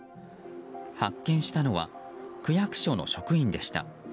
発見したのは区役所の職員でした。